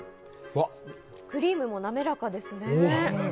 クリームも滑らかですね。